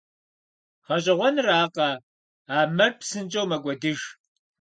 ГъэщӀэгъуэныракъэ, а мэр псынщӀэу мэкӀуэдыж.